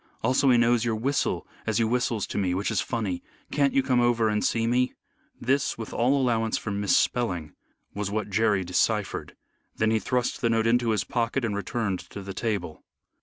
Also he knows your whistle as you whistles to me, which is funny. Can't you come over and see me?" This, with all allowance for mis spelling, was what Jerry deciphered. Then he thrust the note into his pocket and returned to the table.